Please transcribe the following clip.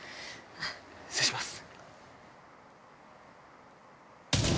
失礼します。